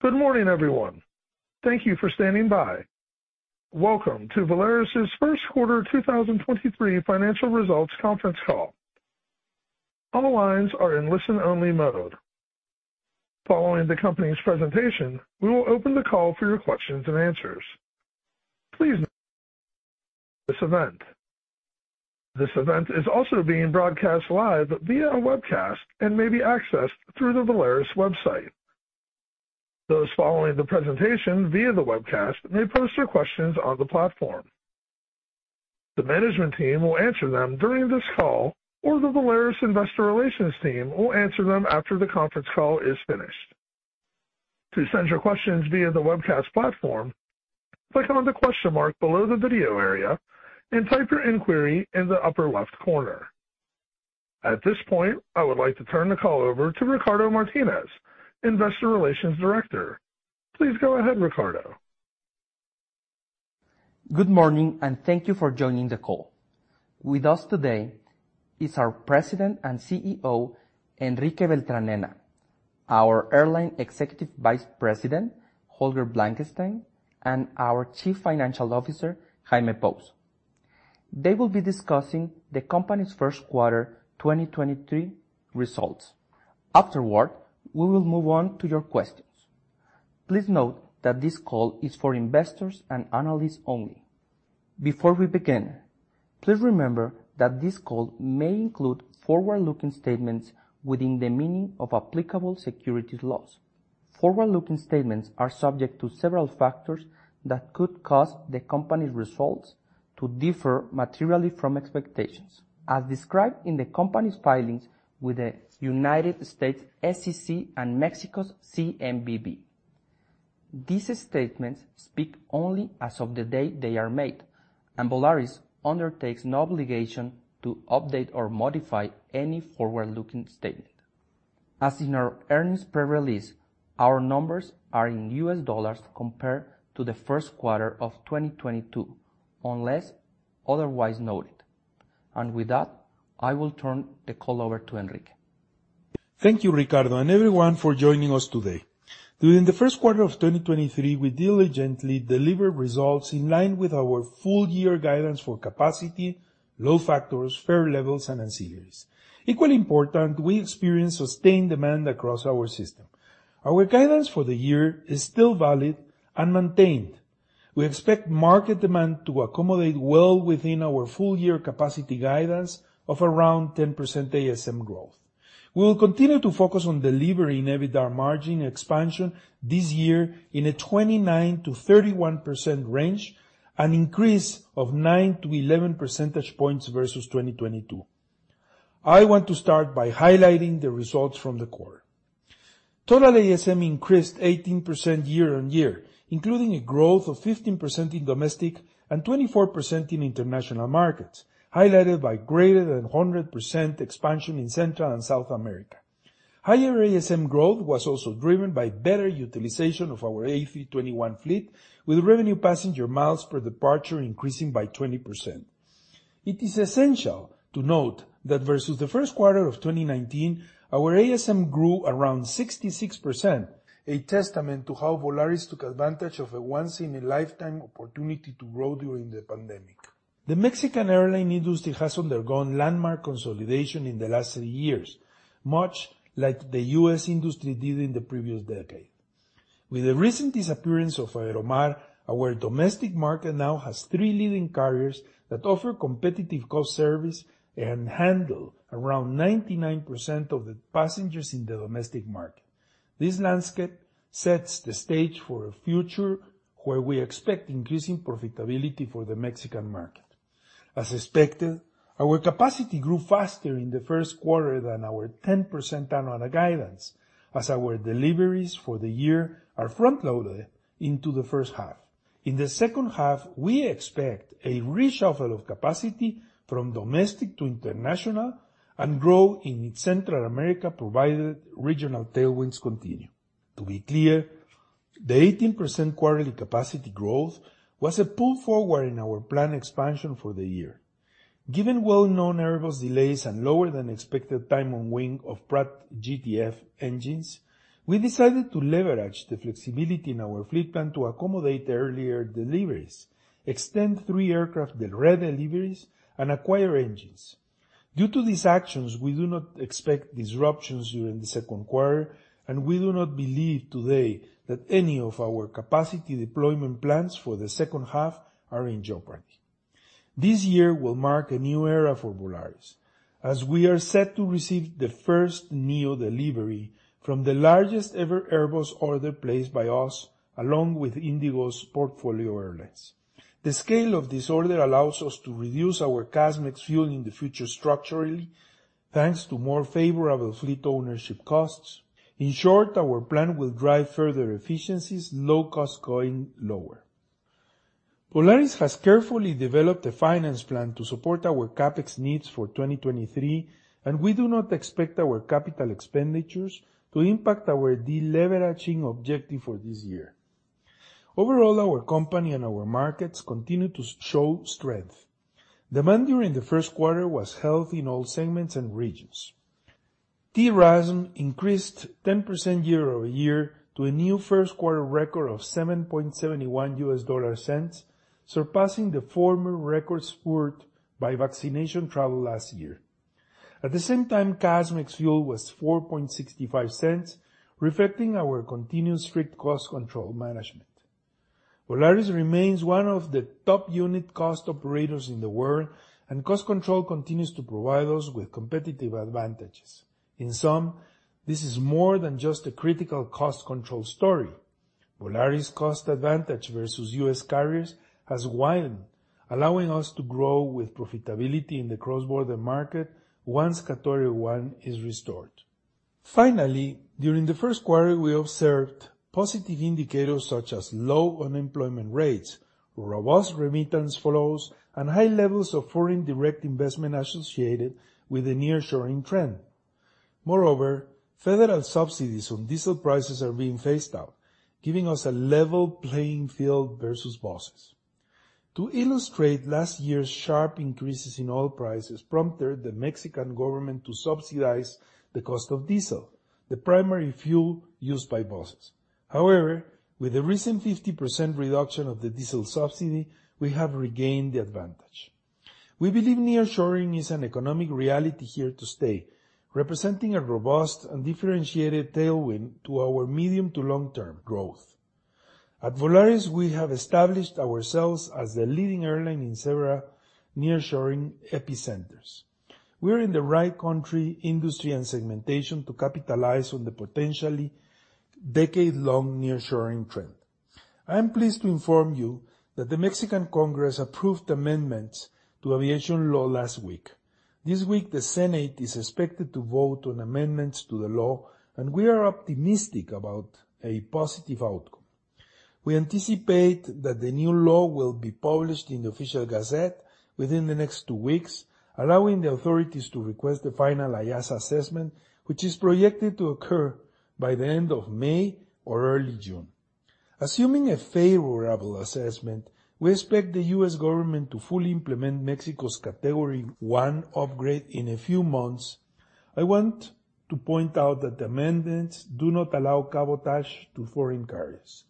Good morning, everyone. Thank you for standing by. Welcome to Volaris' First Quarter 2023 Financial Results Conference Call. All the lines are in listen-only mode. Following the company's presentation, we will open the call for your questions and answers. Please, this event is also being broadcast live via a webcast and may be accessed through the Volaris website. Those following the presentation via the webcast may post their questions on the platform. The management team will answer them during this call, or the Volaris investor relations team will answer them after the conference call is finished. To send your questions via the webcast platform, click on the question mark below the video area and type your inquiry in the upper left corner. At this point, I would like to turn the call over to Ricardo Martínez, Investor Relations Director. Please go ahead, Ricardo. Good morning, thank you for joining the call. With us today is our President and Chief Executive Officer, Enrique Beltranena, our Executive Vice President, Holger Blankenstein, and our Chief Financial Officer, Jaime Pous. They will be discussing the company's first quarter 2023 results. Afterward, we will move on to your questions. Please note that this call is for investors and analysts only. Before we begin, please remember that this call may include forward-looking statements within the meaning of applicable securities laws. Forward-looking statements are subject to several factors that could cause the company's results to differ materially from expectations, as described in the company's filings with the United States SEC and Mexico's CNBV. These statements speak only as of the day they are made, Volaris undertakes no obligation to update or modify any forward-looking statement. As in our earnings press release, our numbers are in US dollars compared to the first quarter of 2022, unless otherwise noted. With that, I will turn the call over to Enrique. Thank you, Ricardo, and everyone for joining us today. During the first quarter of 2023, we diligently delivered results in line with our full-year guidance for capacity, low factors, fare levels, and ancillaries. Equally important, we experienced sustained demand across our system. Our guidance for the year is still valid and maintained. We expect market demand to accommodate well within our full-year capacity guidance of around 10% ASM growth. We will continue to focus on delivering EBITDA margin expansion this year in a 29%-31% range, an increase of 9 to 11 percentage points versus 2022. I want to start by highlighting the results from the quarter. Total ASM increased 18% year-over-year, including a growth of 15% in domestic and 24% in international markets, highlighted by greater than 100% expansion in Central and South America. Higher ASM growth was also driven by better utilization of our A321 fleet, with revenue passenger miles per departure increasing by 20%. It is essential to note that versus the first quarter of 2019, our ASM grew around 66%, a testament to how Volaris took advantage of a once-in-a-lifetime opportunity to grow during the pandemic. The Mexican airline industry has undergone landmark consolidation in the last three years, much like the U.S. industry did in the previous decade. With the recent disappearance of Aeromar, our domestic market now has three leading carriers that offer competitive cost service and handle around 99% of the passengers in the domestic market. This landscape sets the stage for a future where we expect increasing profitability for the Mexican market. As expected, our capacity grew faster in the first quarter than our 10% annual guidance, as our deliveries for the year are front-loaded into the first half. In the second half, we expect a reshuffle of capacity from domestic to international and grow in Central America, provided regional tailwinds continue. To be clear, the 18% quarterly capacity growth was a pull forward in our planned expansion for the year. Given well-known Airbus delays and lower than expected time on wing of Pratt GTF engines, we decided to leverage the flexibility in our fleet plan to accommodate earlier deliveries, extend three aircraft deliveries, and acquire engines. Due to these actions, we do not expect disruptions during the second quarter, and we do not believe today that any of our capacity deployment plans for the second half are in jeopardy. This year will mark a new era for Volaris, as we are set to receive the first NEO delivery from the largest ever Airbus order placed by us, along with Indigo's portfolio airlines. The scale of this order allows us to reduce our cash fuel in the future structurally, thanks to more favorable fleet ownership costs. In short, our plan will drive further efficiencies, low cost going lower. Volaris has carefully developed a finance plan to support our CapEx needs for 2023, and we do not expect our capital expenditures to impact our deleveraging objective for this year. Overall, our company and our markets continue to show strength. Demand during the first quarter was held in all segments and regions. TRASM increased 10% year-over-year to a new first quarter record of $0.0771, surpassing the former record spurred by vaccination travel last year. At the same time, CASMX fuel was $0.0465, reflecting our continued strict cost control management. Volaris remains one of the top unit cost operators in the world. Cost control continues to provide us with competitive advantages. In sum, this is more than just a critical cost control story. Volaris cost advantage versus U.S. carriers has widened, allowing us to grow with profitability in the cross-border market once category one is restored. Finally, during the first quarter, we observed positive indicators such as low unemployment rates, robust remittance flows, and high levels of foreign direct investment associated with the nearshoring trend. Moreover, federal subsidies on diesel prices are being phased out, giving us a level playing field versus buses. To illustrate, last year's sharp increases in oil prices prompted the Mexican government to subsidize the cost of diesel, the primary fuel used by buses. However, with a recent 50% reduction of the diesel subsidy, we have regained the advantage. We believe nearshoring is an economic reality here to stay, representing a robust and differentiated tailwind to our medium to long-term growth. At Volaris, we have established ourselves as the leading airline in several nearshoring epicenters. We are in the right country, industry, and segmentation to capitalize on the potentially decade-long nearshoring trend. I am pleased to inform you that the Mexican Congress approved amendments to aviation law last week. This week, the Senate is expected to vote on amendments to the law, and we are optimistic about a positive outcome. We anticipate that the new law will be published in the Official Gazette within the next 2 weeks, allowing the authorities to request the final IASA assessment, which is projected to occur by the end of May or early June. Assuming a favorable assessment, we expect the US government to fully implement Mexico's category one upgrade in a few months. I want to point out that amendments do not allow cabotage to foreign carriers.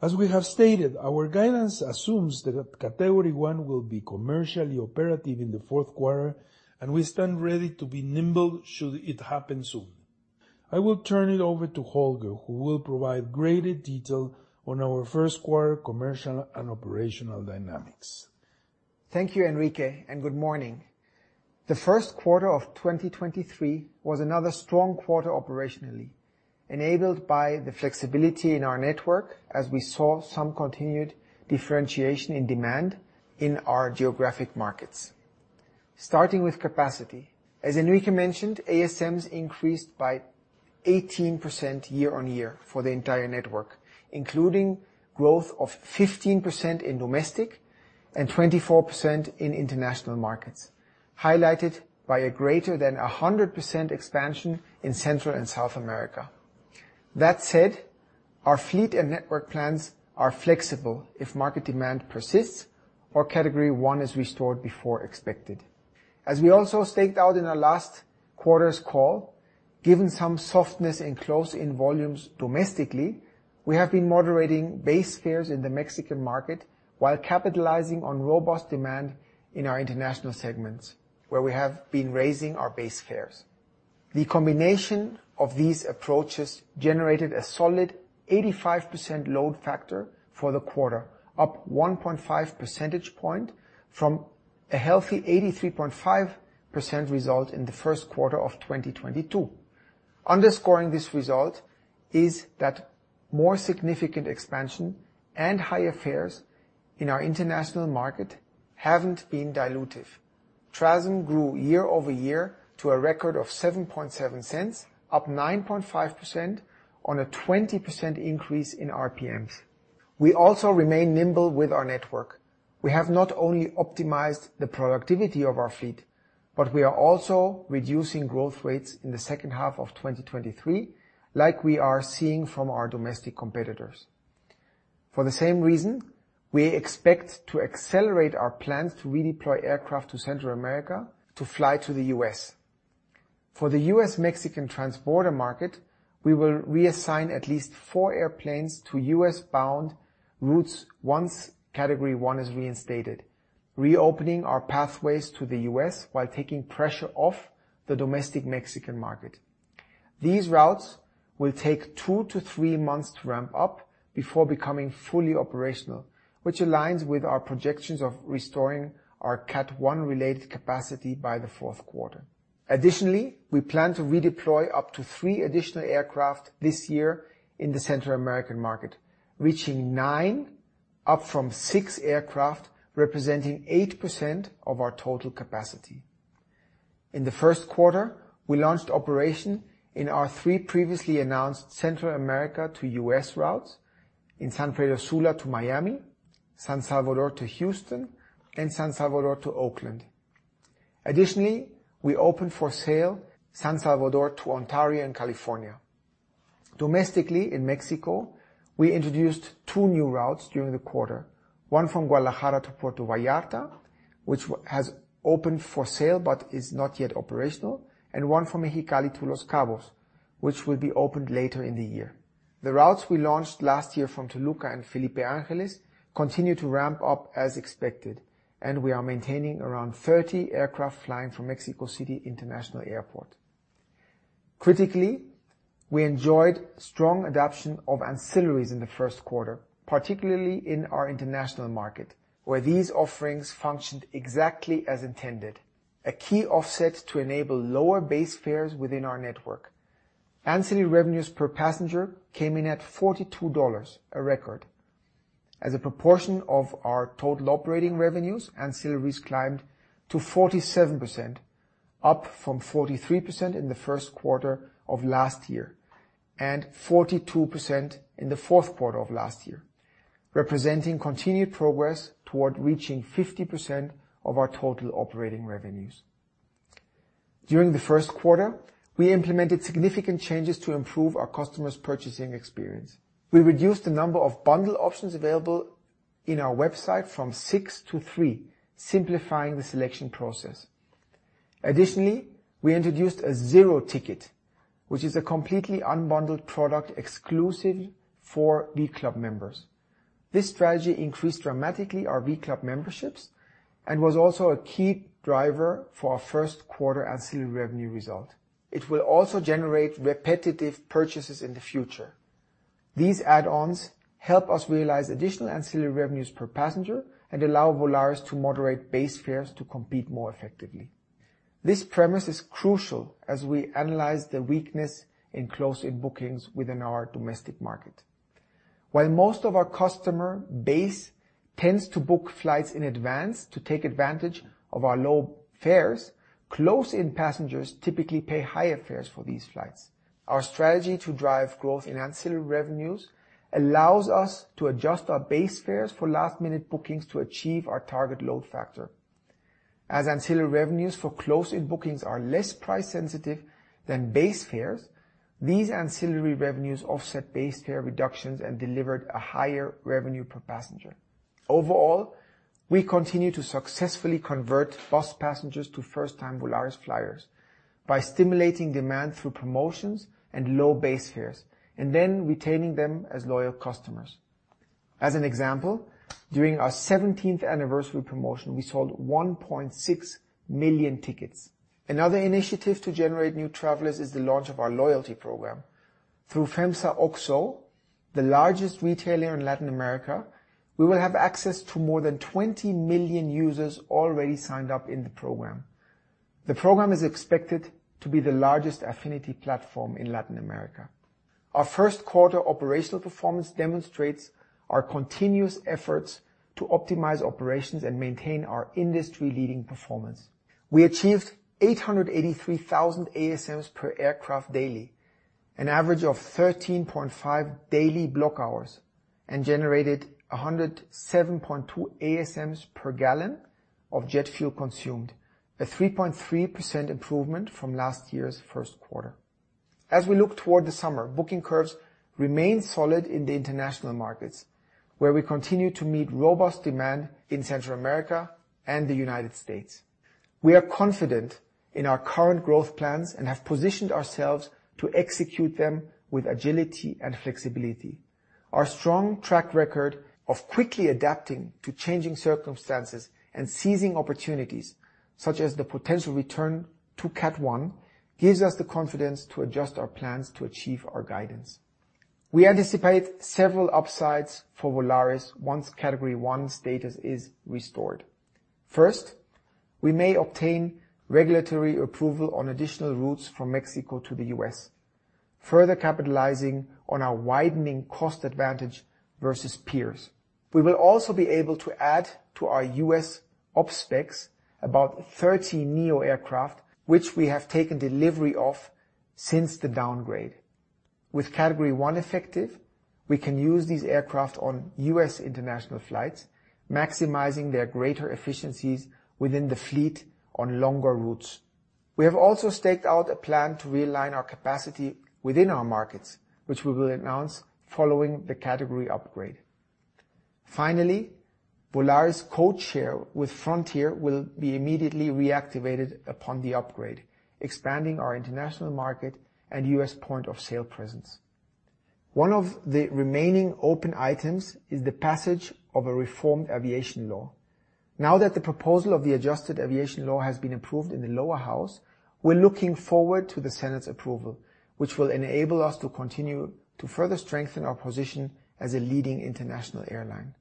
As we have stated, our guidance assumes that category one will be commercially operative in the fourth quarter, and we stand ready to be nimble should it happen soon. I will turn it over to Holger, who will provide greater detail on our first quarter commercial and operational dynamics. Thank you, Enrique. Good morning. The first quarter of 2023 was another strong quarter operationally, enabled by the flexibility in our network as we saw some continued differentiation in demand in our geographic markets. Starting with capacity, as Enrique mentioned, ASMs increased by 18% year-on-year for the entire network, including growth of 15% in domestic and 24% in international markets, highlighted by a greater than 100% expansion in Central and South America. That said, our fleet and network plans are flexible if market demand persists or category one is restored before expected. As we also staked out in our last quarter's call, given some softness in close-in volumes domestically, we have been moderating base fares in the Mexican market while capitalizing on robust demand in our international segments, where we have been raising our base fares. The combination of these approaches generated a solid 85% load factor for the quarter, up 1.5 percentage point from a healthy 83.5% result in the 1st quarter of 2022. Underscoring this result is that more significant expansion and higher fares in our international market haven't been dilutive. TRASM grew year-over-year to a record of $0.077, up 9.5% on a 20% increase in RPMs. We also remain nimble with our network. We have not only optimized the productivity of our fleet, we are also reducing growth rates in the 2nd half of 2023, like we are seeing from our domestic competitors. For the same reason, we expect to accelerate our plans to redeploy aircraft to Central America to fly to the U.S. For the US-Mexican transporter market, we will reassign at least 4 airplanes to US-bound routes once category one is reinstated, reopening our pathways to the US while taking pressure off the domestic Mexican market. These routes will take 2 to 3 months to ramp up before becoming fully operational, which aligns with our projections of restoring our CAT 1-related capacity by the fourth quarter. We plan to redeploy up to 3 additional aircraft this year in the Central American market, reaching 9, up from 6 aircraft, representing 8% of our total capacity. In the first quarter, we launched operation in our 3 previously announced Central America to US routes in San Pedro Sula to Miami, San Salvador to Houston, and San Salvador to Oakland. We opened for sale San Salvador to Ontario and California. Domestically in Mexico, we introduced 2 new routes during the quarter. One from Guadalajara to Puerto Vallarta, which has opened for sale but is not yet operational. One from Mexicali to Los Cabos, which will be opened later in the year. The routes we launched last year from Toluca and Felipe Ángeles continue to ramp up as expected. We are maintaining around 30 aircraft flying from Mexico City International Airport. Critically, we enjoyed strong adoption of ancillaries in the first quarter, particularly in our international market, where these offerings functioned exactly as intended, a key offset to enable lower base fares within our network. Ancillary revenues per passenger came in at $42, a record. As a proportion of our total operating revenues, ancillaries climbed to 47%, up from 43% in the first quarter of last year, and 42% in the fourth quarter of last year, representing continued progress toward reaching 50% of our total operating revenues. During the first quarter, we implemented significant changes to improve our customers' purchasing experience. We reduced the number of bundle options available in our website from 6 to 3, simplifying the selection process. Additionally, we introduced a Zero ticket, which is a completely unbundled product exclusive for v.club members. This strategy increased dramatically our v.club memberships and was also a key driver for our first quarter ancillary revenue result. It will also generate repetitive purchases in the future. These add-ons help us realize additional ancillary revenues per passenger and allow Volaris to moderate base fares to compete more effectively. This premise is crucial as we analyze the weakness in close-in bookings within our domestic market. While most of our customer base tends to book flights in advance to take advantage of our low fares, close-in passengers typically pay higher fares for these flights. Our strategy to drive growth in ancillary revenues allows us to adjust our base fares for last-minute bookings to achieve our target load factor. As ancillary revenues for close-in bookings are less price-sensitive than base fares, these ancillary revenues offset base fare reductions and delivered a higher revenue per passenger. Overall, we continue to successfully convert bus passengers to first-time Volaris flyers by stimulating demand through promotions and low base fares, and then retaining them as loyal customers. As an example, during our seventeenth anniversary promotion, we sold 1.6 million tickets. Another initiative to generate new travelers is the launch of our loyalty program. Through FEMSA OXXO, the largest retailer in Latin America, we will have access to more than 20 million users already signed up in the program. The program is expected to be the largest affinity platform in Latin America. Our first quarter operational performance demonstrates our continuous efforts to optimize operations and maintain our industry-leading performance. We achieved 883,000 ASMs per aircraft daily, an average of 13.5 daily block hours, and generated 107.2 ASMs per gallon of jet fuel consumed, a 3.3% improvement from last year's first quarter. As we look toward the summer, booking curves remain solid in the international markets, where we continue to meet robust demand in Central America and the United States. We are confident in our current growth plans and have positioned ourselves to execute them with agility and flexibility. Our strong track record of quickly adapting to changing circumstances and seizing opportunities, such as the potential return to CAT 1, gives us the confidence to adjust our plans to achieve our guidance. We anticipate several upsides for Volaris once Category 1 status is restored. First, we may obtain regulatory approval on additional routes from Mexico to the US, further capitalizing on our widening cost advantage versus peers. We will also be able to add to our US op specs about 30 NEO aircraft, which we have taken delivery of since the downgrade. With Category 1 effective, we can use these aircraft on US international flights, maximizing their greater efficiencies within the fleet on longer routes. We have also staked out a plan to realign our capacity within our markets, which we will announce following the category upgrade. Finally, Volaris codeshare with Frontier will be immediately reactivated upon the upgrade, expanding our international market and U.S. point-of-sale presence. One of the remaining open items is the passage of a reformed aviation law. Now that the proposal of the adjusted aviation law has been approved in the Lower House, we're looking forward to the Senate's approval, which will enable us to continue to further strengthen our position as a leading international airline.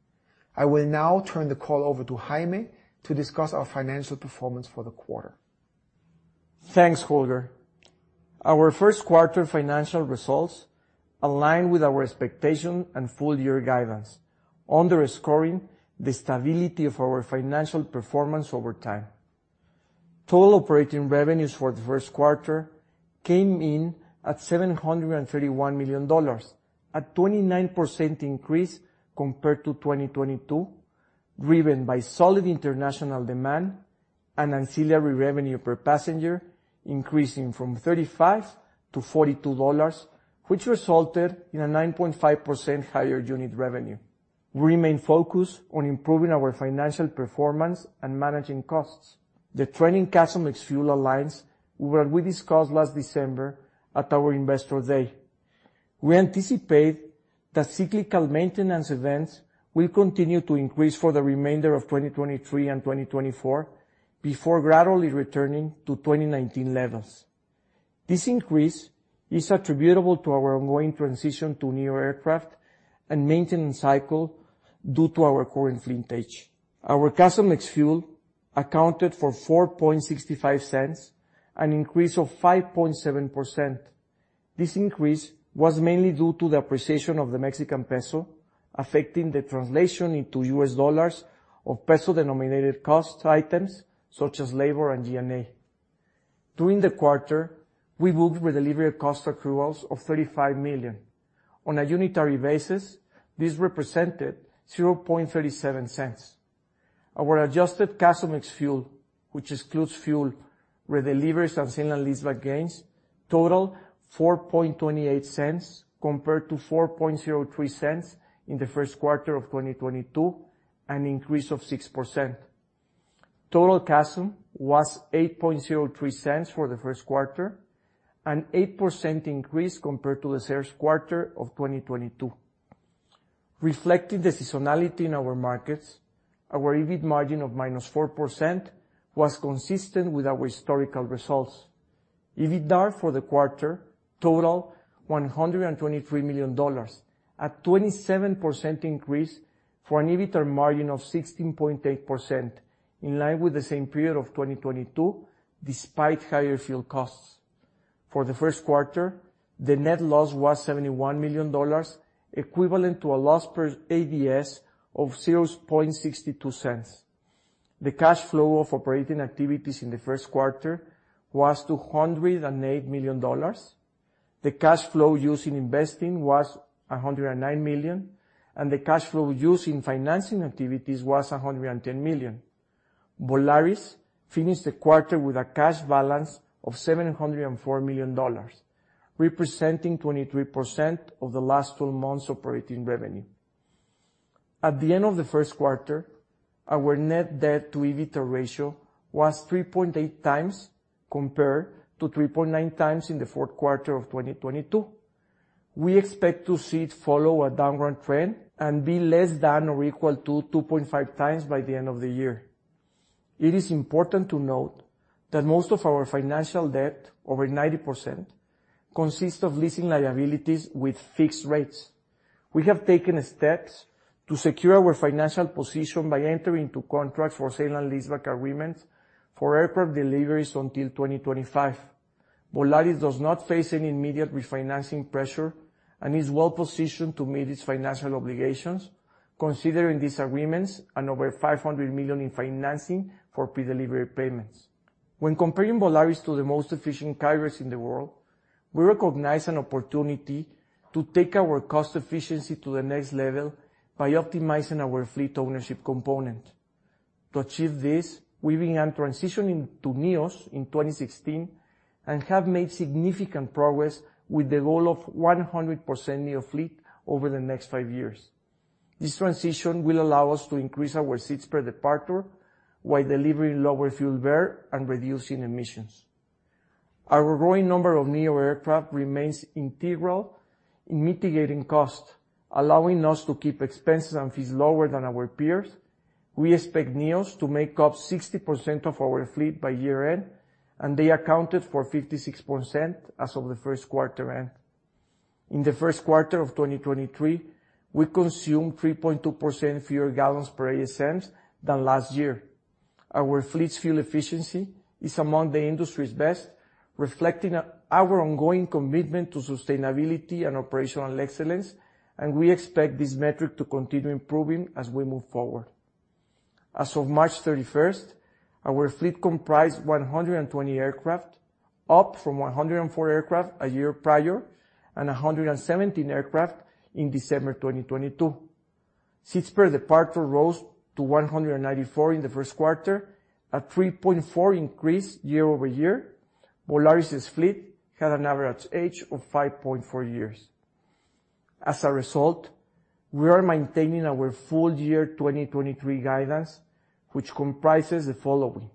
I will now turn the call over to Jaime to discuss our financial performance for the quarter. Thanks, Holger. Our first quarter financial results align with our expectation and full-year guidance, underscoring the stability of our financial performance over time. Total operating revenues for the first quarter came in at $731 million, a 29% increase compared to 2022, driven by solid international demand and ancillary revenue per passenger, increasing from $35 to $42, which resulted in a 9.5% higher unit revenue. We remain focused on improving our financial performance and managing costs. The trending CASM ex fuel aligns with what we discussed last December at our Investor Day. We anticipate that cyclical maintenance events will continue to increase for the remainder of 2023 and 2024 before gradually returning to 2019 levels. This increase is attributable to our ongoing transition to newer aircraft and maintenance cycle due to our current fleet age. Our CASM ex fuel accounted for $0.0465, an increase of 5.7%. This increase was mainly due to the appreciation of the Mexican peso affecting the translation into US dollars of peso-denominated cost items, such as labor and G&A. During the quarter, we moved redelivered cost accruals of $35 million. On a unitary basis, this represented $0.0037. Our adjusted CASM ex fuel, which excludes fuel, redeliveries, and sale and leaseback gains, totaled $0.0428 compared to $0.0403 in the first quarter of 2022, an increase of 6%. Total CASM was $0.0803 for the first quarter, an 8% increase compared to the first quarter of 2022. Reflecting the seasonality in our markets, our EBIT margin of -4% was consistent with our historical results. EBITDA for the quarter totaled $123 million, a 27% increase, for an EBITDA margin of 16.8%, in line with the same period of 2022 despite higher fuel costs. For the first quarter, the net loss was $71 million, equivalent to a loss per ADS of $0.62. The cash flow of operating activities in the first quarter was $208 million. The cash flow used in investing was $109 million, and the cash flow used in financing activities was $110 million. Volaris finished the quarter with a cash balance of $704 million, representing 23% of the last 12 months operating revenue. At the end of the first quarter, our net debt to EBITDA ratio was 3.8 times, compared to 3.9 times in the fourth quarter of 2022. We expect to see it follow a downward trend and be less than or equal to 2.5 times by the end of the year. It is important to note that most of our financial debt, over 90%, consists of leasing liabilities with fixed rates. We have taken steps to secure our financial position by entering into contracts for sale and leaseback agreements for aircraft deliveries until 2025. Volaris does not face any immediate refinancing pressure and is well-positioned to meet its financial obligations, considering these agreements and over $500 million in financing for pre-delivery payments. When comparing Volaris to the most efficient carriers in the world, we recognize an opportunity to take our cost efficiency to the next level by optimizing our fleet ownership component. To achieve this, we began transitioning to NEOs in 2016 and have made significant progress with the goal of 100% NEO fleet over the next 5 years. This transition will allow us to increase our seats per departure while delivering lower fuel burn and reducing emissions. Our growing number of NEO aircraft remains integral in mitigating costs, allowing us to keep expenses and fees lower than our peers. We expect NEOs to make up 60% of our fleet by year-end, and they accounted for 56% as of the first quarter end. In the first quarter of 2023, we consumed 3.2% fewer gallons per ASMs than last year. Our fleet's fuel efficiency is among the industry's best, reflecting our ongoing commitment to sustainability and operational excellence, and we expect this metric to continue improving as we move forward. As of March 31st, our fleet comprised 120 aircraft, up from 104 aircraft a year prior, and 117 aircraft in December 2022. Seats per departure rose to 194 in the first quarter, a 3.4% increase year-over-year. Volaris' fleet had an average age of 5.4 years. As a result, we are maintaining our full year 2023 guidance, which comprises the following.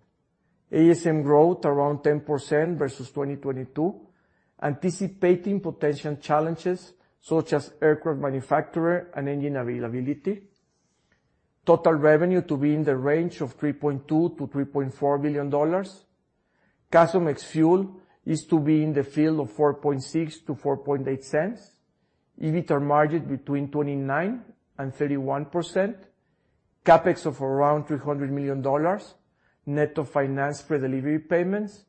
ASM growth around 10% versus 2022, anticipating potential challenges, such as aircraft manufacturer and engine availability. Total revenue to be in the range of $3.2 billion-$3.4 billion. CASM ex fuel is to be in the field of $0.046-$0.048. EBITDA margin between 29% and 31%. CapEx of around $300 million. Net of finance for delivery payments.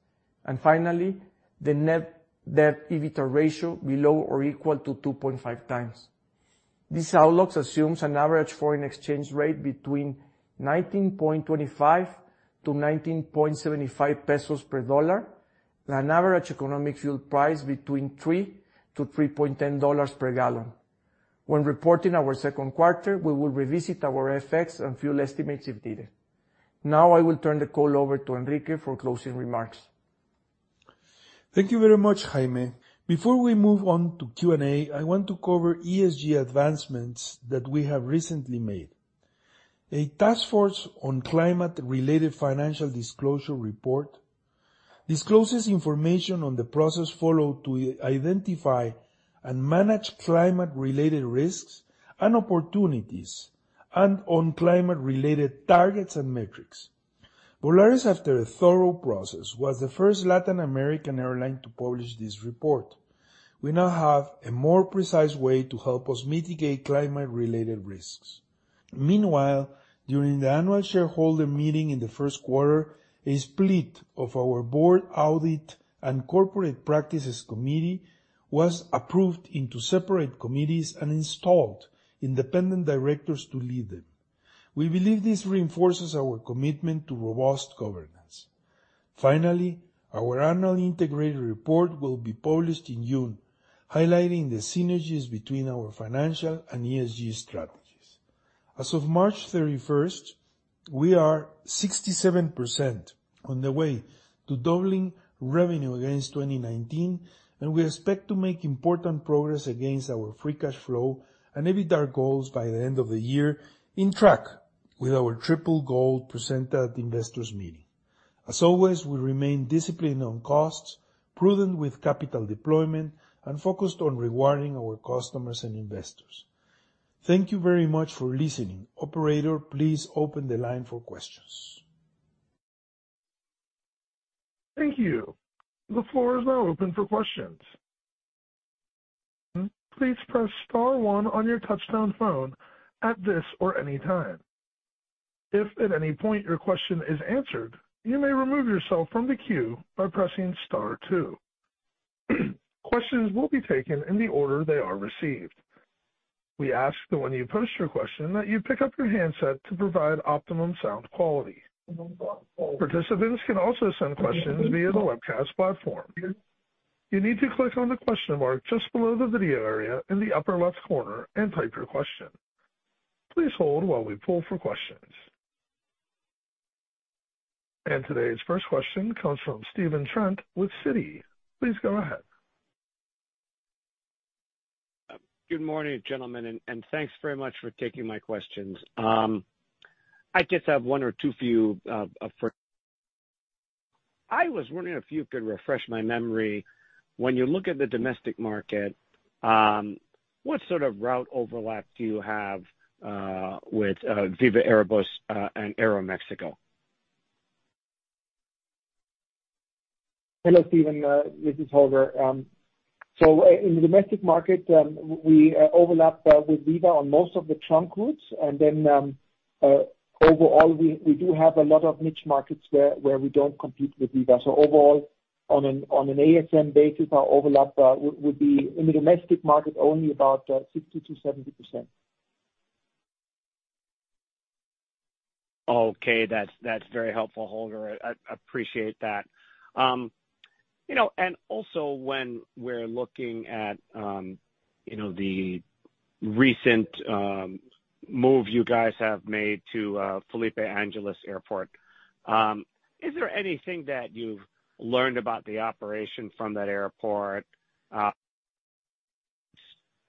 Finally, the net debt EBITDA ratio below or equal to 2.5 times. This outlook assumes an average foreign exchange rate between 19.25-19.75 pesos per dollar and an average economic fuel price between $3-$3.10 per gallon. When reporting our second quarter, we will revisit our FX and fuel estimates if needed. Now I will turn the call over to Enrique for closing remarks. Thank you very much, Jaime. Before we move on to Q&A, I want to cover ESG advancements that we have recently made. A Task Force on Climate-related Financial Disclosure report discloses information on the process followed to identify and manage climate-related risks and opportunities and on climate-related targets and metrics. Volaris, after a thorough process, was the first Latin American airline to publish this report. We now have a more precise way to help us mitigate climate-related risks. Meanwhile, during the annual shareholder meeting in the first quarter, a split of our Board Audit and Corporate Practices Committee was approved into separate committees and installed independent directors to lead them. We believe this reinforces our commitment to robust governance. Finally, our annual integrated report will be published in June, highlighting the synergies between our financial and ESG strategies. As of March 31st, we are 67% on the way to doubling revenue against 2019, and we expect to make important progress against our free cash flow and EBITDAR goals by the end of the year, in track with our triple goal presented at the investors meeting. As always, we remain disciplined on costs, prudent with capital deployment, and focused on rewarding our customers and investors. Thank you very much for listening. Operator, please open the line for questions. Thank you. The floor is now open for questions. Please press star one on your touch-tone phone at this or any time. If at any point your question is answered, you may remove yourself from the queue by pressing star two. Questions will be taken in the order they are received. We ask that when you post your question, that you pick up your handset to provide optimum sound quality. Participants can also send questions via the webcast platform. You need to click on the question mark just below the video area in the upper left corner and type your question. Please hold while we pull for questions. Today's first question comes from Stephen Trent with Citi. Please go ahead. Good morning, gentlemen, and thanks very much for taking my questions. I just have one or two for you, first. I was wondering if you could refresh my memory. When you look at the domestic market, what sort of route overlap do you have with Viva Aerobus and Aeroméxico? Hello, Steven, this is Holger. In the domestic market, we overlap with Viva on most of the trunk routes. Overall, we do have a lot of niche markets where we don't compete with Viva. Overall, on an ASM basis, our overlap would be in the domestic market only about 60% to 70%. Okay. That's very helpful, Holger. I appreciate that. You know, and also when we're looking at, you know, the recent move you guys have made to Felipe Angeles Airport, is there anything that you've learned about the operation from that airport,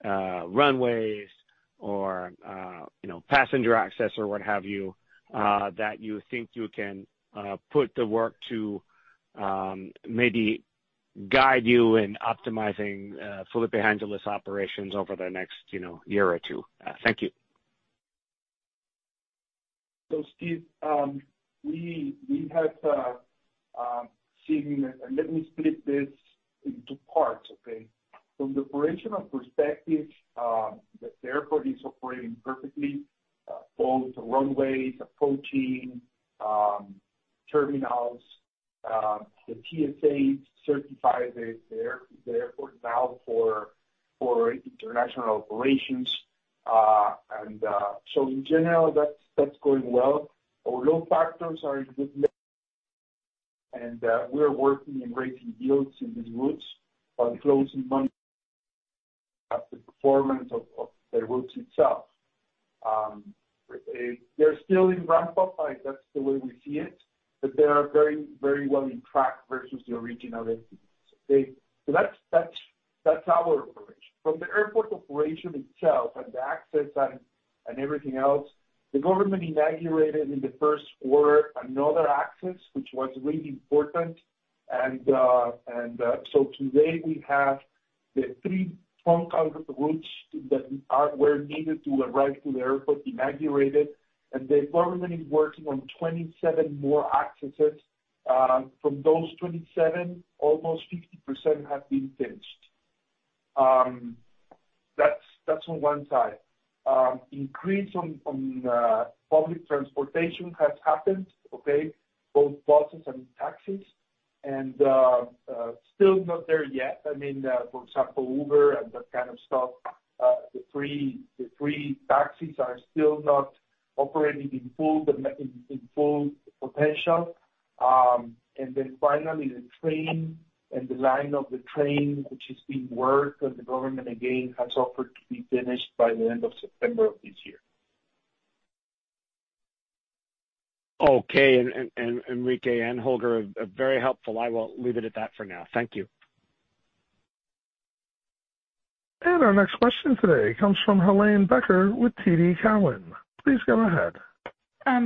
runways or, you know, passenger access or what have you, that you think you can put to work to maybe guide you in optimizing Felipe Angeles operations over the next, you know, year or two? Thank you. Steve, we have seen. Let me split this into parts, okay? From the operational perspective, the airport is operating perfectly, both the runways, approaching, terminals. The TSA certifies the airport now for international operations. In general, that's going well. Our load factors are good, we are working in raising yields in these routes by closing money at the performance of the routes itself. They're still in ramp-up, like, that's the way we see it, they are very well in track versus the original entities. That's our operation. From the airport operation itself and the access and everything else, the government inaugurated in the first quarter another access, which was really important. Today we have the 3 trunk routes that we were needed to arrive to the airport inaugurated, and the government is working on 27 more accesses. From those 27, almost 50% have been finished. That's, that's on one side. Increase on public transportation has happened, okay, both buses and taxis. Still not there yet. I mean, for example, Uber and that kind of stuff, the free taxis are still not operating in full potential. Finally the train and the line of the train, which is being worked, and the government again has offered to be finished by the end of September of this year. Okay. Enrique and Holger are very helpful. I will leave it at that for now. Thank you. Our next question today comes from Helane Becker with TD Cowen. Please go ahead.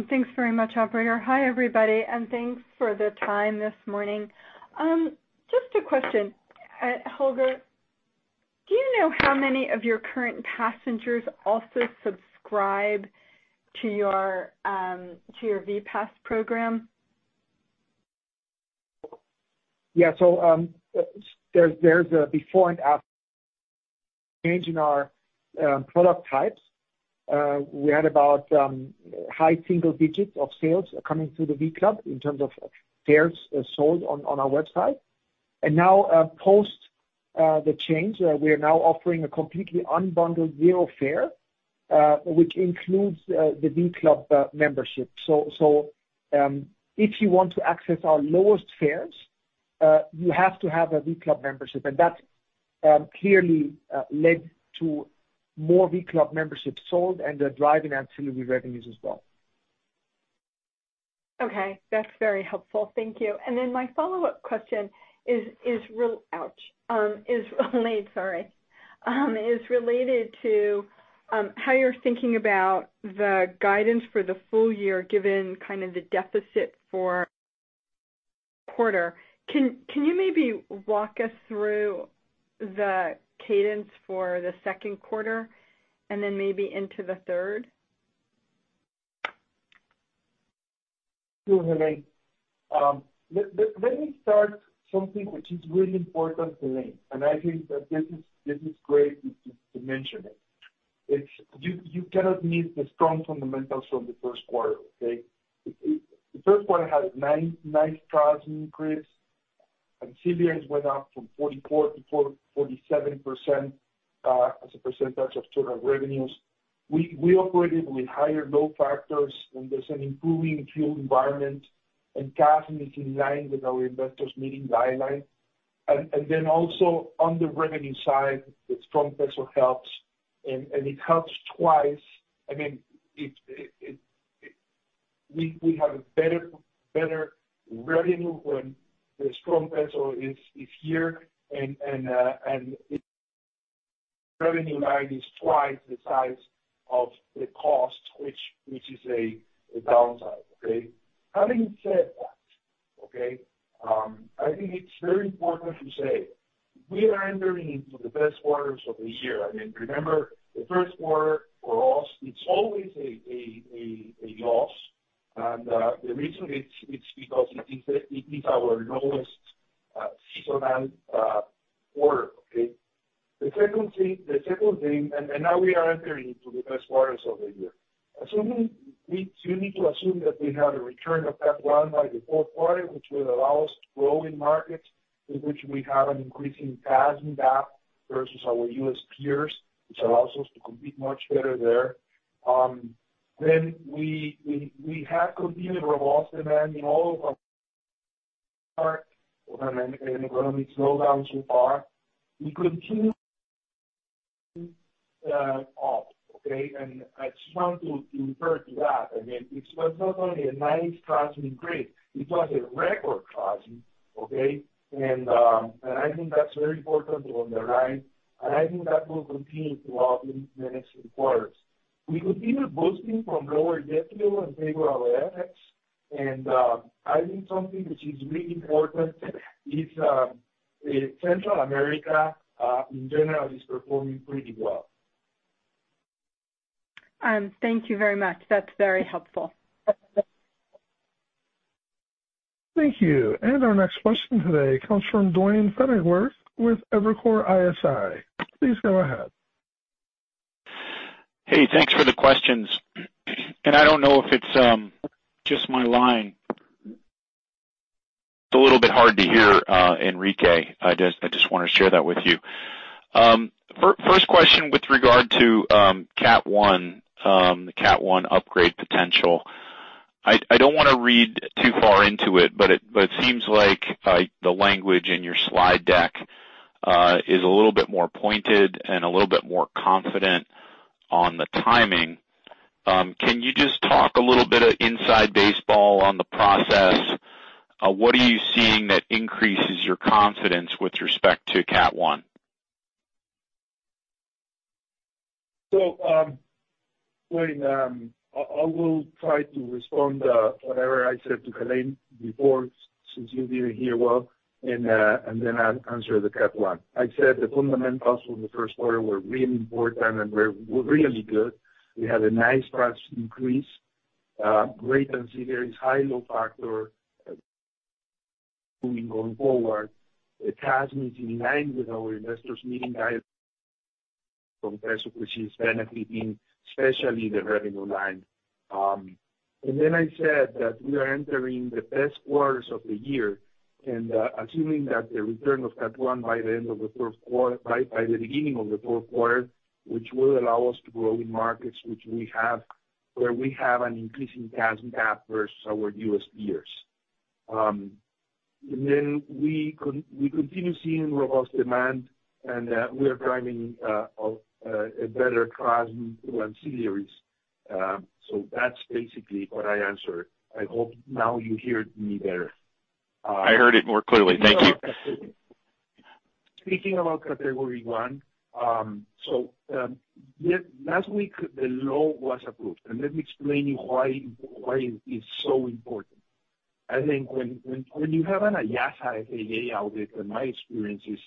Thanks very much, operator. Hi, everybody, and thanks for the time this morning. Just a question. Holger, do you know how many of your current passengers also subscribe to your v.club program? Yeah. There's a before and after change in our product types. We had about high single digits of sales coming through the v.club in terms of fares sold on our website. Now, post the change, we are now offering a completely unbundled Zero fare, which includes the v.club membership. If you want to access our lowest fares, you have to have a v.club membership, and that clearly led to more v.club memberships sold and they're driving ancillary revenues as well. Okay. That's very helpful. Thank you. My follow-up question is related to how you're thinking about the guidance for the full year, given kind of the deficit for quarter. Can you maybe walk us through the cadence for the second quarter and then maybe into the third? Sure, Helane. Let me start something which is really important, Helane, and I think that this is great to mention it. It's you cannot miss the strong fundamentals from the first quarter, okay? The first quarter had nice traffic increase, and ancillaries went up from 44% to 47% as a % of total revenues. We operated with higher load factors. There's an improving fuel environment. CASM is in line with our investors' meeting guideline. Then also on the revenue side, the strong peso helps and it helps twice. I mean, we have a better revenue when the strong peso is here and its revenue line is twice the size of the cost which is a downside, okay? Having said that, okay, I think it's very important to say we are entering into the best quarters of the year. I mean, remember, the first quarter for us, it's always a loss. The reason it's because it is our lowest seasonal quarter, okay? The second thing. Now we are entering into the best quarters of the year. You need to assume that we have a return of CAT 1 by the fourth quarter, which will allow us to grow in markets in which we have an increasing CASM gap versus our U.S. peers, which allows us to compete much better there. We have continued robust demand in all of our markets in an economic slowdown so far. We continue, okay? I just want to refer to that. I mean, it was not only a nice traffic increase, it was a record traffic, okay. I think that's very important to underline, and I think that will continue throughout the next quarters. We continue boosting from lower jet fuel in favor of FX. I think something which is really important is Central America in general is performing pretty well. Thank you very much. That's very helpful. Thank you. Our next question today comes from Duane Pfennigwerth with Evercore ISI. Please go ahead. Hey, thanks for the questions. I don't know if it's just my line. It's a little bit hard to hear Enrique. I just wanna share that with you. First question with regard to CAT 1, the CAT 1 upgrade potential. I don't wanna read too far into it, but it seems like the language in your slide deck is a little bit more pointed and a little bit more confident on the timing. Can you just talk a little bit of inside baseball on the process? What are you seeing that increases your confidence with respect to CAT 1? Duane, I will try to respond whatever I said to Helane before, since you didn't hear well, then I'll answer the CAT 1. I said the fundamentals for the first quarter were really important and were really good. We had a nice traffic increase, great and CBERS, high load factor going forward. The CASM is in line with our investors' meeting guide-From MXN, which is benefiting especially the revenue line. Then I said that we are entering the best quarters of the year and assuming that the return of CAT 1 by the end of the third quarter by the beginning of the fourth quarter, which will allow us to grow in markets which we have, where we have an increasing CASM CAP versus our U.S. peers. We continue seeing robust demand, and we are driving a better cross to ancillaries. That's basically what I answered. I hope now you hear me better. I heard it more clearly. Thank you. Speaking about category one. Yeah, last week the law was approved, let me explain you why it is so important. I think when you have an IASA FAA audit, my experience is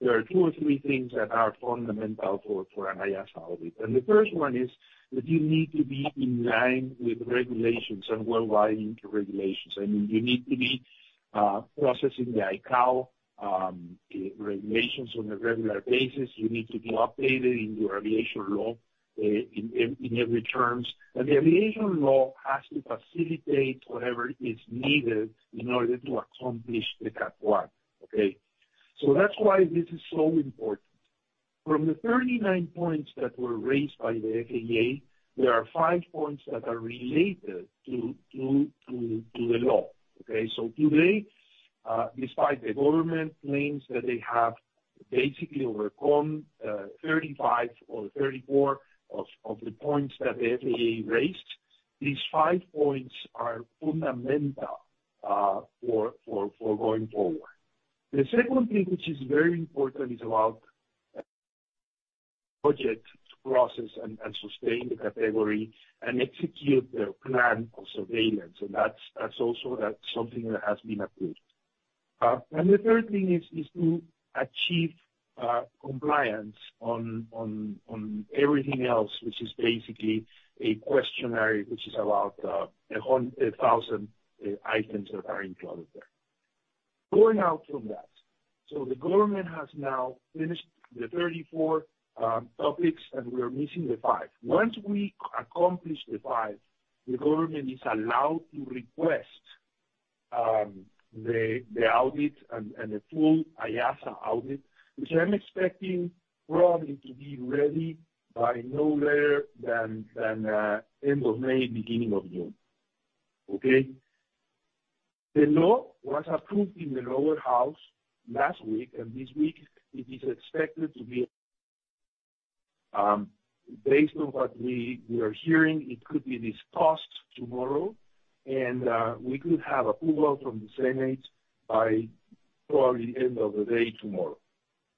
there are two or three things that are fundamental for an IASA audit. The first one is that you need to be in line with regulations and worldwide into regulations. I mean, you need to be processing the ICAO regulations on a regular basis. You need to be updated in your aviation law in every terms. The aviation law has to facilitate whatever is needed in order to accomplish the Cat 1, okay? That's why this is so important. From the 39 points that were raised by the FAA, there are 5 points that are related to the law, okay. Today, despite the government claims that they have basically overcome 35 or 34 of the points that the FAA raised, these 5 points are fundamental for going forward. The second thing, which is very important, is about budget to process and sustain the category and execute their plan of surveillance, and that's also something that has been approved. And the third thing is to achieve compliance on everything else, which is basically a questionnaire, which is about 1,000 items that are included there. Going out from that, the government has now finished the 34 topics, and we are missing the 5. Once we accomplish the five, the government is allowed to request the audit and the full IASA audit, which I'm expecting probably to be ready by no later than end of May, beginning of June. Okay? The law was approved in the lower house last week. This week it is expected to be, based on what we are hearing, it could be discussed tomorrow and we could have approval from the Senate by probably end of the day tomorrow.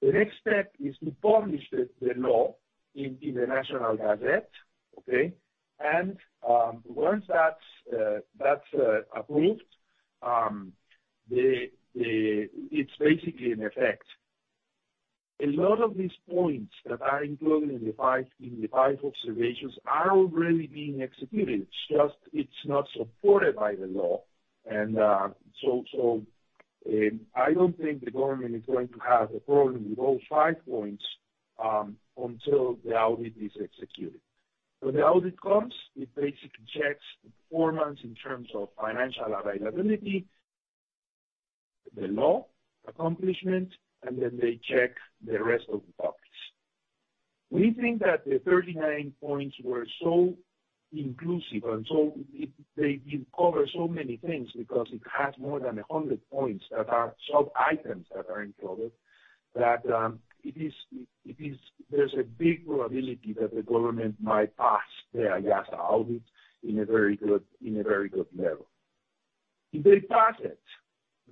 The next step is to publish the law in the National Gazette, okay? Once that's approved, it's basically in effect. A lot of these points that are included in the five observations are already being executed. It's just, it's not supported by the law. I don't think the government is going to have a problem with all five points until the audit is executed. When the audit comes, it basically checks performance in terms of financial availability, the law accomplishment, and then they check the rest of the box. We think that the 39 points were so inclusive and so they did cover so many things because it has more than 100 points that are sub-items that are included, that there's a big probability that the government might pass the IASA audit in a very good level. If they pass it,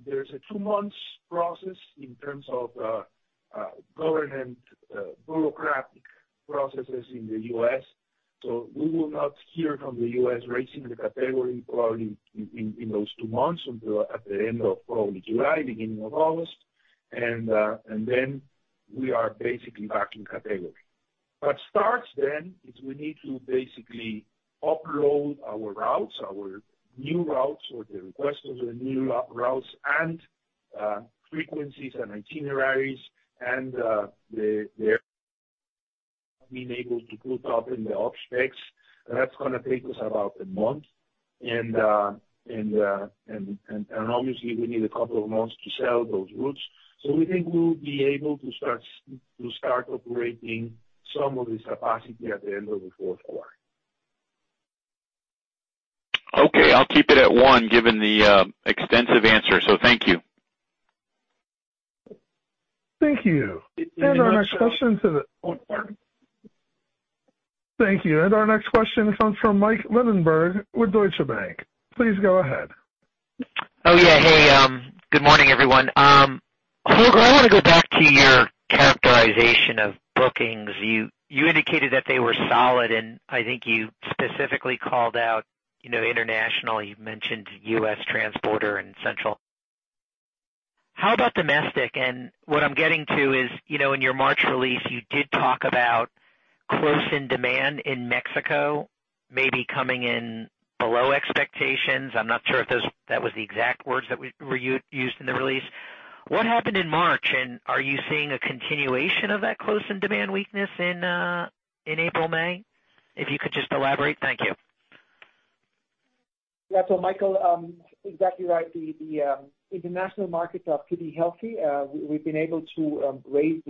there's a 2-month process in terms of government bureaucratic processes in the U.S., so we will not hear from the U.S. raising the category probably in those 2 months until at the end of probably July, beginning of August. Then we are basically back in category. What starts then is we need to basically upload our routes, our new routes or the request of the new routes and frequencies and itineraries and the being able to put up in the OpSpecs. That's gonna take us about 1 month. Obviously we need 2 months to sell those routes. We think we'll be able to start operating some of this capacity at the end of the 4th quarter. Okay. I'll keep it at one, given the extensive answer. Thank you. Thank you. You're welcome. Our next question to the... Oh, sorry. Thank you. Our next question comes from Michael Linenberg with Deutsche Bank. Please go ahead. Oh, yeah. Hey, good morning, everyone. Holger, I wanna go back to your characterization of bookings. You indicated that they were solid, I think you specifically called out, you know, international, you mentioned US transporter and central. How about domestic? What I'm getting to is, you know, in your March release, you did talk about close-in demand in Mexico maybe coming in below expectations. I'm not sure if that was the exact words that used in the release. What happened in March, are you seeing a continuation of that close-in demand weakness in April/May? If you could just elaborate. Thank you. Yeah. Michael, exactly right. The international markets are pretty healthy. We've been able to raise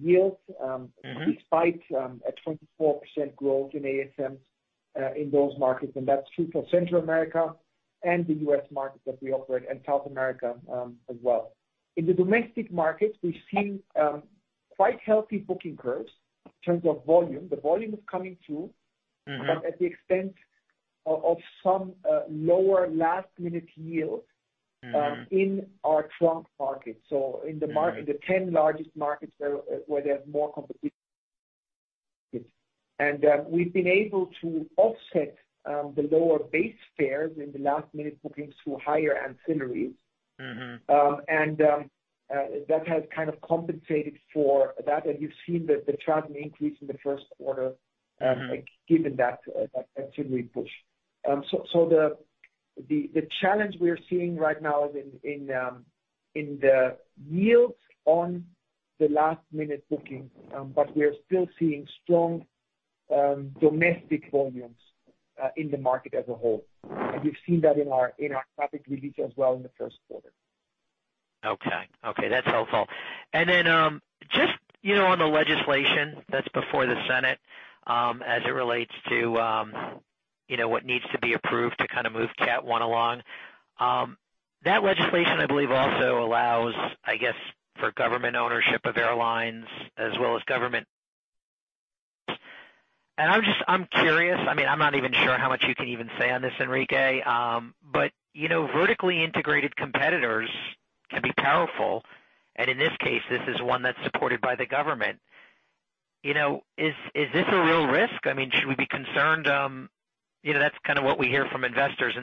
yields...... Despite, a 24% growth in ASMs, in those markets. That's true for Central America and the US market that we operate and South America, as well. In the domestic markets, we've seen, quite healthy booking curves in terms of volume. The volume is coming through.... At the expense of some lower last-minute yields..... In our trunk markets. In the 10 largest markets where there's more competition. We've been able to offset the lower base fares in the last-minute bookings through higher ancillaries..... That has kind of compensated for that. You've seen the travel increase in the first quarter, given that ancillary push. The challenge we are seeing right now is in the yields on the last-minute bookings, we are still seeing strong domestic volumes in the market as a whole. We've seen that in our traffic release as well in the first quarter. Okay. Okay, that's helpful. Then, just, you know, on the legislation that's before the Senate, as it relates to, you know, what needs to be approved to kind of move CAT 1 along. That legislation, I believe, also allows, I guess, for government ownership of airlines as well as government. I'm curious, I mean, I'm not even sure how much you can even say on this, Enrique. You know, vertically integrated competitors can be powerful, and in this case, this is one that's supported by the government. You know, is this a real risk? I mean, should we be concerned? You know, that's kinda what we hear from investors.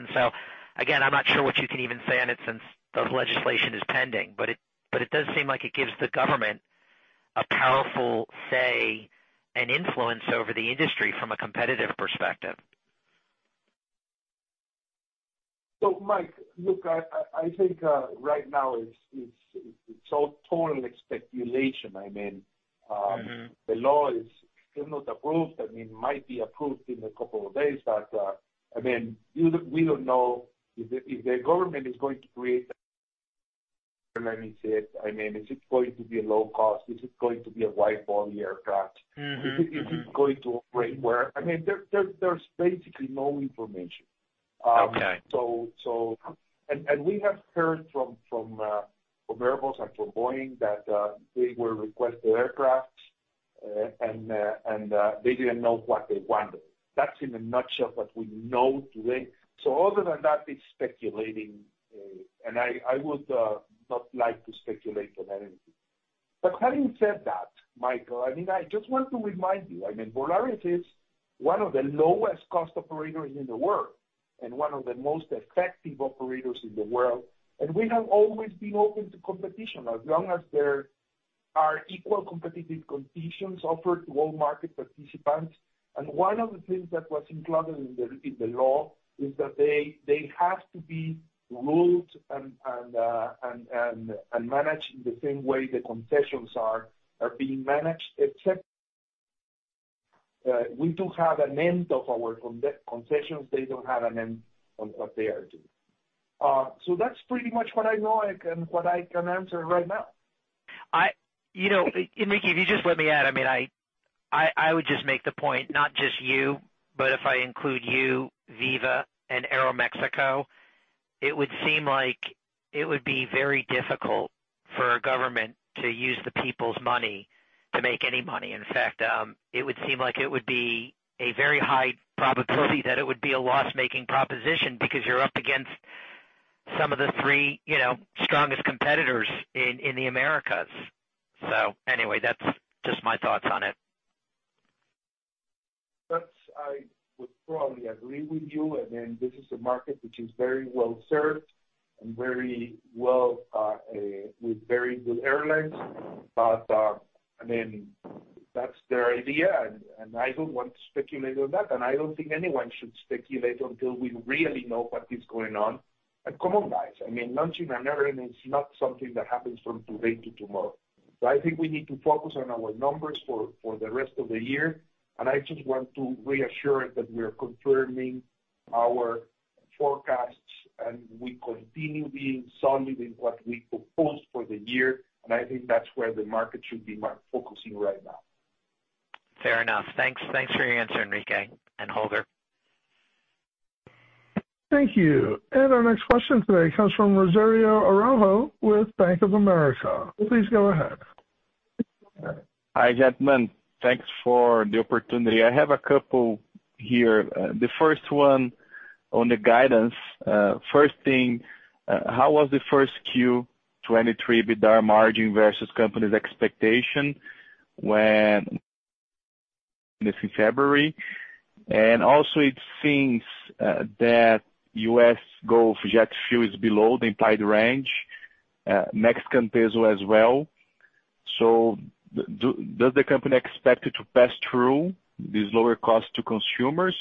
Again, I'm not sure what you can even say on it since the legislation is pending, but it does seem like it gives the government a powerful say and influence over the industry from a competitive perspective. Michael, look, I think right now it's all total speculation. I mean,..... The law is still not approved. I mean, it might be approved in a couple of days, but, I mean, we don't know if the, if the government is going to create. I mean, is it going to be a low cost? Is it going to be a wide-body aircraft?..... Is it going to operate where? I mean, there's basically no information. Okay. We have heard from Airbus and from Boeing that they were requested aircraft and they didn't know what they wanted. That's in a nutshell what we know today. Other than that, it's speculating. I would not like to speculate on anything. Having said that, Michael, I mean, I just want to remind you, I mean, Volaris is one of the lowest cost operators in the world and one of the most effective operators in the world. We have always been open to competition as long as there are equal competitive conditions offered to all market participants. One of the things that was included in the law is that they have to be ruled and managed in the same way the concessions are being managed, except, we do have an end of our concessions. They don't have an end on what they are doing. That's pretty much what I know I can answer right now. You know, Enrique, if you just let me add, I mean, I would just make the point, not just you, but if I include you, Viva, and Aeroméxico, it would seem like it would be very difficult for a government to use the people's money to make any money. In fact, it would seem like it would be a very high probability that it would be a loss-making proposition because you're up against some of the three, you know, strongest competitors in the Americas. Anyway, that's just my thoughts on it. That's I would probably agree with you. I mean, this is a market which is very well-served and very well with very good airlines. I mean, that's their idea, and I don't want to speculate on that, and I don't think anyone should speculate until we really know what is going on. Come on, guys, I mean, launching an airline is not something that happens from today to tomorrow. I think we need to focus on our numbers for the rest of the year. I just want to reassure that we are confirming our forecasts, and we continue being solid in what we proposed for the year. I think that's where the market should be focusing right now. Fair enough. Thanks. Thanks for your answer, Enrique and Holger. Thank you. Our next question today comes from Rogério Araújo with Bank of America. Please go ahead. Hi, gentlemen. Thanks for the opportunity. I have a couple here. The first one on the guidance. First thing, how was the 1Q 2023 bed hour margin versus company's expectation when this in February? Also it seems that US Gulf jet fuel is below the implied range, Mexican peso as well. Does the company expect it to pass through this lower cost to consumers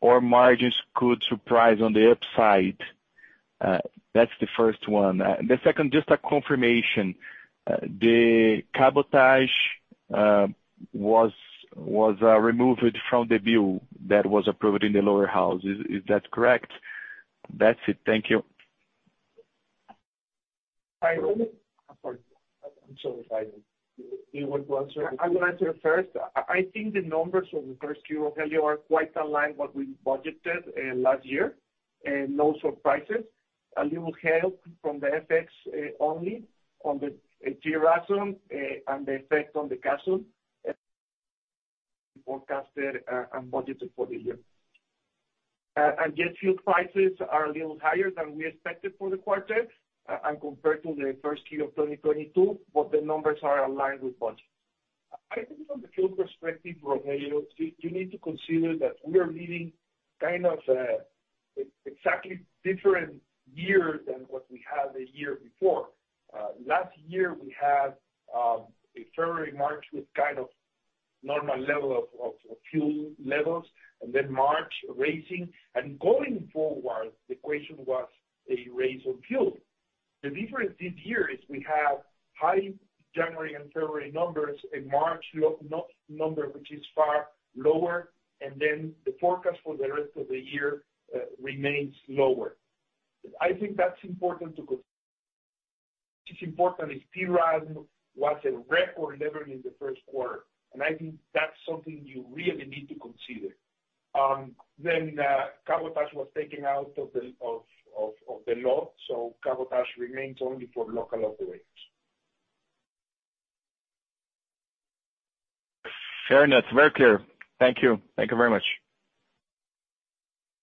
or margins could surprise on the upside? That's the first one. The second, just a confirmation. The cabotage was removed from the bill that was approved in the lower house. Is that correct? That's it. Thank you. I only- I'm sorry. Ivan, do you want to answer it? I will answer first. I think the numbers from the first quarter, Rogelio, are quite aligned what we budgeted last year. No surprises. A little help from the FX, only on the TRASM, and the effect on the CASM forecasted and budgeted for the year. Jet fuel prices are a little higher than we expected for the quarter, and compared to the first quarter of 2022, but the numbers are aligned with budget. I think from the fuel perspective, Rogelio, you need to consider that we are living kind of exactly different year than what we had the year before. Last year we had a February, March with kind of normal level of fuel levels, and then March raising. Going forward, the question was a raise on fuel. The difference this year is we have high January and February numbers, a March number which is far lower, and the forecast for the rest of the year remains lower. I think that's important. It's important is TRASM was at record level in the first quarter. I think that's something you really need to consider. Cabotage was taken out of the law, so cabotage remains only for local operators. Fair enough. Very clear. Thank you. Thank you very much.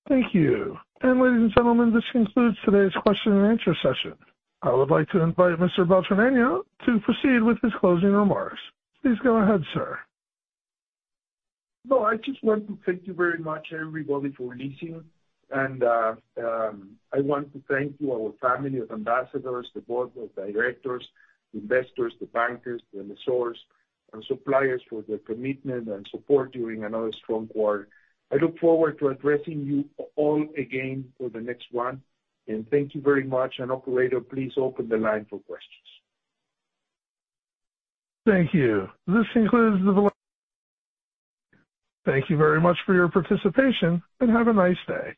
Thank you. Ladies and gentlemen, this concludes today's question and answer session. I would like to invite Mr. Beltranena to proceed with his closing remarks. Please go ahead, sir. I just want to thank you very much everybody for listening. I want to thank you our family of ambassadors, the board of directors, investors, the bankers, the lessors and suppliers for their commitment and support during another strong quarter. I look forward to addressing you all again for the next one. Thank you very much. Operator, please open the line for questions. Thank you. Thank you very much for your participation, and have a nice day.